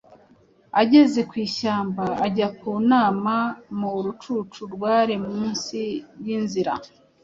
ageze ku ishyamba ajya ku nama mu rucucu rwari mu nsi y’inzira,